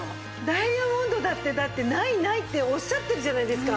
ダイヤモンドだってだって「ないない」っておっしゃってるじゃないですか。